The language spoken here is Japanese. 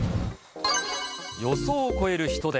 予想を超える人出。